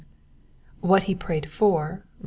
What he prayed for (146).